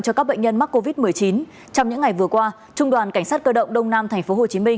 cho các bệnh nhân mắc covid một mươi chín trong những ngày vừa qua trung đoàn cảnh sát cơ động đông nam tp hcm